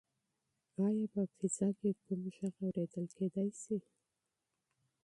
ایا په فضا کې کوم غږ اورېدل کیدی شي؟